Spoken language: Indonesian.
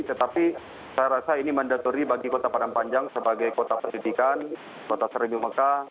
tetapi saya rasa ini mandatori bagi kota padang panjang sebagai kota pesidikan kota seribu mekah